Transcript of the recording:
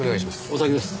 お先です。